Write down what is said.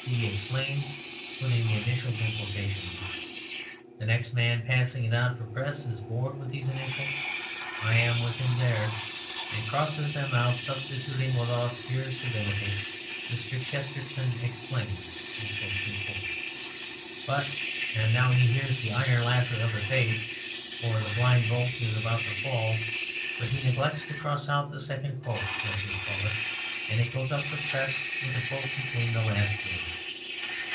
K. C.' Explains," putting the initials in quotation marks. The next man passing it for press is bored with these initials (I am with him there) and crosses them out, substituting with austere civility, "Mr. Chesterton Explains." But and now he hears the iron laughter of the Fates, for the blind bolt is about to fall but he neglects to cross out the second "quote" (as we call it) and it goes up to press with a "quote" between the last words.